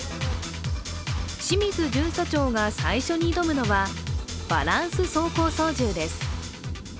清水巡査長が、最初に挑むのはバランス走行操縦です。